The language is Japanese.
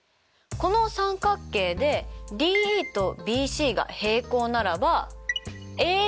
この三角形でＤＥとＢＣが平行ならばＡＤ：ＤＢ＝ＡＥ：